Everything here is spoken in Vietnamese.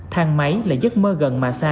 thang máy là giấc mơ gần mà xa